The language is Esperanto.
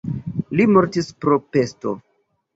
Li mortis pro pesto.